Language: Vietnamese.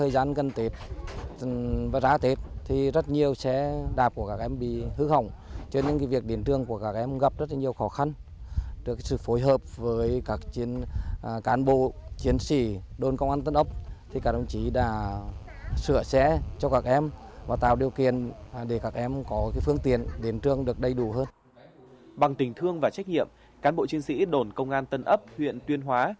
bằng tình thương và trách nhiệm cán bộ chiến sĩ đồn công an tân ấp huyện tuyên hóa